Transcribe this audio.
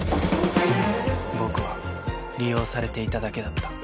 僕は利用されていただけだった